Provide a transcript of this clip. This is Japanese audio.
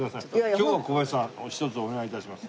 今日は小林さんひとつお願い致します。